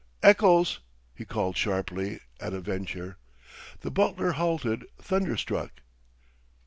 "Eccles!" he called sharply, at a venture. The butler halted, thunderstruck.